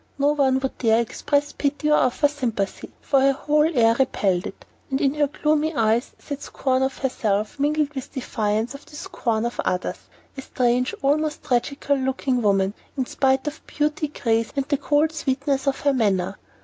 No one would dare express pity or offer sympathy, for her whole air repelled it, and in her gloomy eyes sat scorn of herself mingled with defiance of the scorn of others. A strange, almost tragical looking woman, in spite of beauty, grace, and the cold sweetness of her manner.